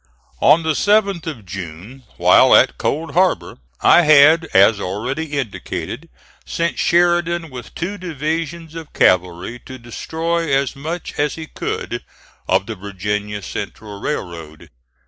On the 7th of June, while at Cold Harbor, I had as already indicated sent Sheridan with two divisions of cavalry to destroy as much as he could of the Virginia Central Railroad.